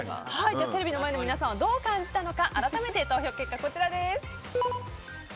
テレビの前の皆さんはどう感じたのか改めて投票結果はこちらです。